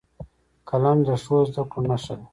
قلم د ښو زدهکړو نښه ده